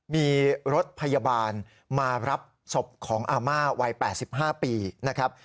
มีรถพยาบาลมารับศพของอาม่าวัย๘๕ปีนะครับ